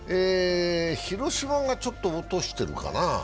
広島がちょっと落としてるかな。